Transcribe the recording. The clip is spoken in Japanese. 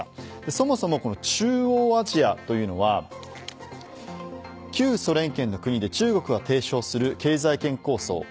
そもそも中央アジアというのは旧ソ連圏の国で中国が提唱する経済圏構想